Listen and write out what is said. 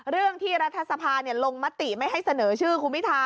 เรื่องที่รัฐสภาลงมติไม่ให้เสนอชื่อคุณพิธา